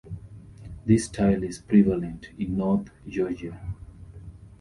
This style is prevalent in North Georgia.